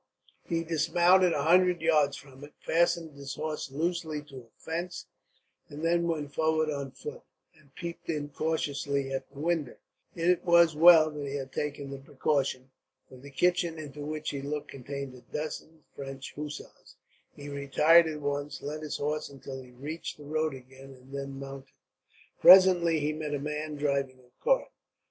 He dismounted a hundred yards from it, fastened his horse loosely to a fence, and then went forward on foot, and peeped in cautiously at the window. It was well that he had taken the precaution, for the kitchen into which he looked contained a dozen French hussars. He retired at once, led his horse until he reached the road again, and then mounted. Presently he met a man driving a cart.